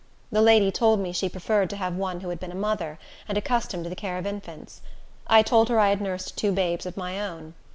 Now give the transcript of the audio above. The lady told me she preferred to have one who had been a mother, and accustomed to the care of infants. I told her I had nursed two babes of my own.